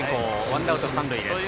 ワンアウト三塁です。